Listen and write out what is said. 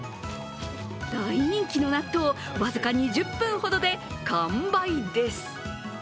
大人気の納豆、僅か２０分ほどで完売です。